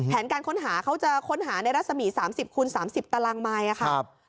การค้นหาเขาจะค้นหาในรัศมี๓๐คูณ๓๐ตารางไม้ค่ะ